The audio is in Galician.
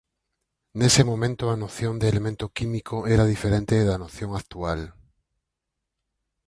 Nese momento a noción de elemento químico era diferente da noción actual.